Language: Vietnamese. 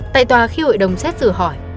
tại tòa khi hội đồng xét xử hỏi